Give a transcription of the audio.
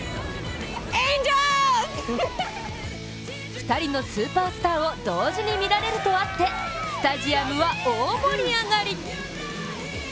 ２人のスーパースターを同時に見られるとあってスタジアムは大盛り上がり！